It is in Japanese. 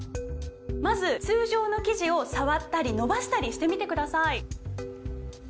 まず通常の生地を触ったり伸ばしたりしてみてください。